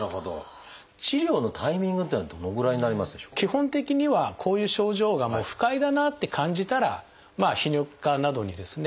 基本的にはこういう症状が不快だなって感じたら泌尿器科などにですね